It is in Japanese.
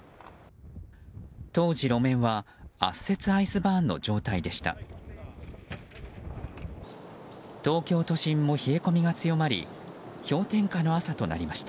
当時路面は圧雪アイスバーンの状態でした。